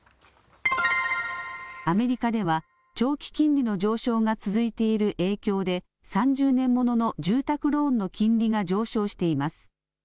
アメリカでは長期金利の上昇が続いている影響で３０年ものの住宅ローンの金利が上昇しています。